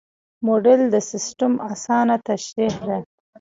موډل د سیسټم اسانه تشریح ده.